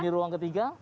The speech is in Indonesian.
ini ruang ketiga